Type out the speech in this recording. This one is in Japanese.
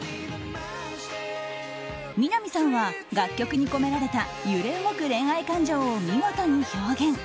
南さんは楽曲に込められた揺れ動く恋愛感情を見事に表現。